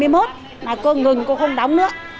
mà cô ngừng cô không đóng nữa